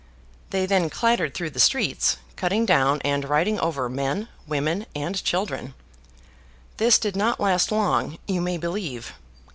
They then clattered through the streets, cutting down and riding over men, women, and children. This did not last long, you may believe.